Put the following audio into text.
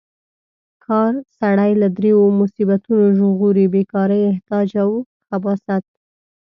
کار سړی له دریو مصیبتونو ژغوري: بې کارۍ، احتیاج او خباثت.